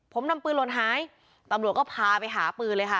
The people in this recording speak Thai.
ผมนำปืนหล่นหายตำรวจก็พาไปหาปืนเลยค่ะ